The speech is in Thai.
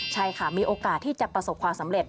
ใช่ค่ะมีโอกาสที่จะประสบความสำเร็จ